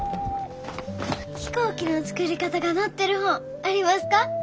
飛行機の作り方が載ってる本ありますか？